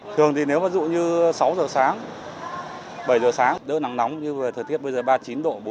thường thì nếu mà dụ như sáu giờ sáng bảy giờ sáng đỡ nắng nóng như thời tiết bây giờ ba mươi chín độ bốn